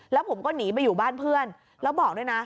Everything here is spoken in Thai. แล้วผมก็หนีไปอยู่บ้านเพื่อนแล้วบอกด้วยนะ